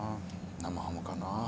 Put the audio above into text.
生ハムかな。